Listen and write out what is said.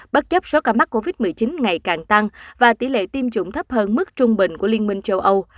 bất chấp số ca mắc covid một mươi chín ngày càng tăng và tỷ lệ tiêm chủng thấp hơn mức trung bình của liên minh châu âu